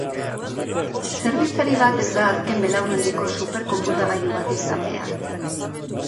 Zerbitzari bat ez da azken belaunaldiko superkonputagailu bat izan behar.